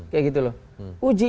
kayak gitu loh uji